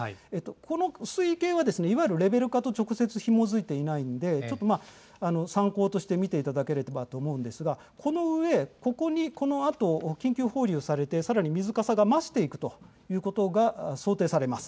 この水位計はいわゆると直接ひも付いていないので、ちょっと参考として見ていただければと思うんですが、この上、ここにこのあと、緊急放流されて、さらに水かさが増しているということが想定されます。